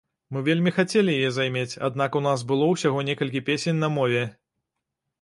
Мы вельмі хацелі яе займець, аднак у нас было ўсяго некалькі песень на мове.